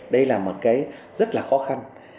đây là một cái rất là khó khăn